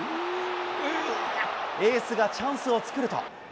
エースがチャンスを作ると。